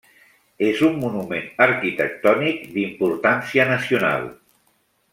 És un monument arquitectònic d'importància nacional.